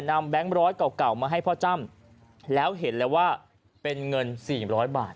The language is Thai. แบงค์ร้อยเก่ามาให้พ่อจ้ำแล้วเห็นเลยว่าเป็นเงินสี่ร้อยบาท